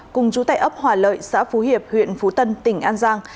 cùng chú tại ấp hòa lợi xã phú hiệp huyện phú tân tỉnh an giang